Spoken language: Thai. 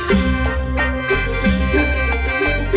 โอ่ยยยย